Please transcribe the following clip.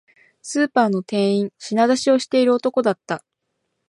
スーパーの店員、品出しをしている男だった